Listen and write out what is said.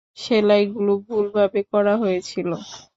সেলাই গুলো ভুল ভাবে করা হয়েছিল।